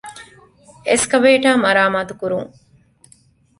އެސްކަވޭޓަރ މަރާމާތުކުރުން